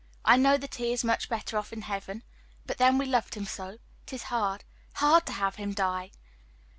I know that he is much better off in heaven, but then we loved him so. It is hard, hard to have him die!"